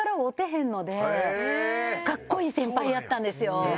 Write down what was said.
かっこいい先輩やったんですよ。